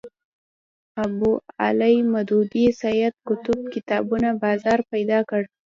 ابوالاعلی مودودي سید قطب کتابونو بازار پیدا کړ